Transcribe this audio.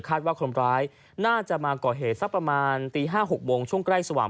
ว่าคนร้ายน่าจะมาก่อเหตุสักประมาณตี๕๖โมงช่วงใกล้สว่าง